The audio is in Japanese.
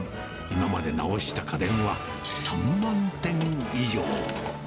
今まで直した家電は３万点以上。